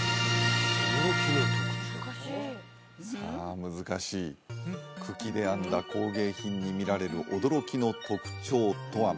さあ難しい茎で編んだ工芸品に見られる驚きの特徴とは？